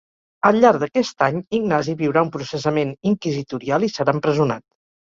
Al llarg d'aquest any Ignasi viurà un processament inquisitorial i serà empresonat.